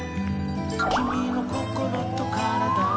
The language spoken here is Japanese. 「きみのこころとからだは」